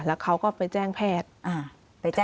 แล้วเขาก็ไปแจ้งแพทย์